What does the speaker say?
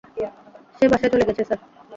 সে বাসায় চলে গেছে, স্যার।